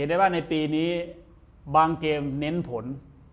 เอาไงมันในปีนี้บางเกมเน้นผล